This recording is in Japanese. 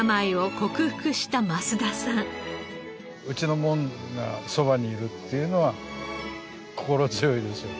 うちの者がそばにいるっていうのは心強いですよ。